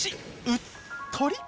うっとり。